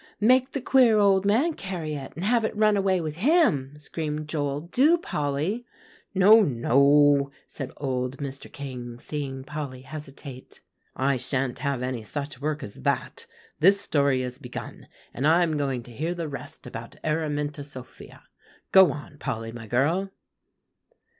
make the queer old man carry it, and have it run away with him," screamed Joel; "do, Polly." "No, no," said old Mr. King, seeing Polly hesitate; "I sha'n't have any such work as that. This story is begun, and I'm going to hear the rest about Araminta Sophia. Go on, Polly, my girl."